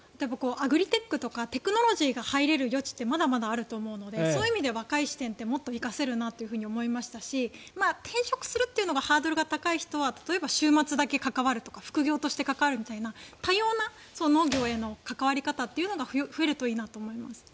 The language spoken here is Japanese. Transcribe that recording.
アグリテックとかテクノロジーが入れる余地ってまだまだあると思うので若い視点ってもっと生かせるなと思いましたし転職するっていうのがハードルが高い人は例えば週末だけ関わるとか副業として関わるとか多様な農業への関わり方というのが増えるといいなと思います。